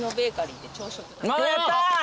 やった！